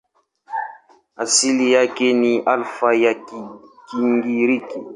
Asili yake ni Alfa ya Kigiriki.